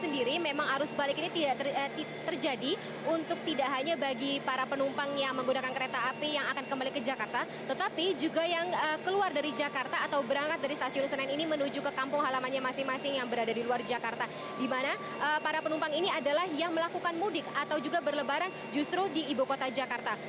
dimana para penumpang ini adalah yang melakukan mudik atau juga berlebaran justru di ibu kota jakarta